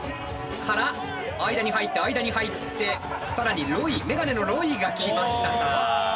から間に入って間に入って更に眼鏡のロイが来ましたか。